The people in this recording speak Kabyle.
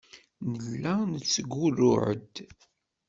Nella nettgurruɛ-d.